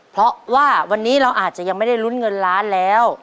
เพราะว่าวันนี้เราอาจจะยังไม่ได้ลุ้นเงินล้านแล้ว